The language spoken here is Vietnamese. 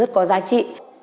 và rất có giá trị